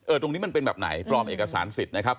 ตรงนี้มันเป็นแบบไหนปลอมเอกสารสิทธิ์นะครับ